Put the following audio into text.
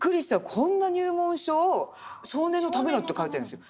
こんな入門書を少年のためだって描いてるんですよ。